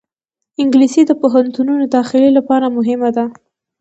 انګلیسي د پوهنتون داخلې لپاره مهمه ده